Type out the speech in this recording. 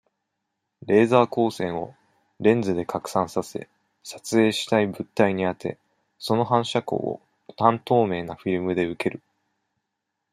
レーザー光線を、レンズで拡散させ、撮影したい物体に当て、その反射光を、半透明なフィルムで受ける。